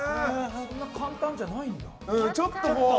そんな簡単じゃないんだ。